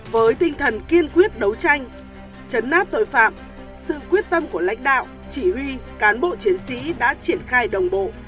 với tinh thần kiên quyết đấu tranh chấn áp tội phạm sự quyết tâm của lãnh đạo chỉ huy cán bộ chiến sĩ đã triển khai đồng bộ